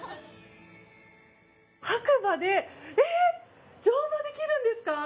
白馬で乗馬ができるんですか？